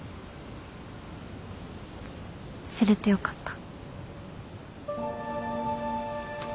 知れてよかった。